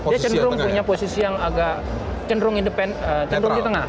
dia cenderung punya posisi yang agak cenderung di tengah